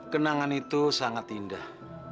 kenangan itu sangat indah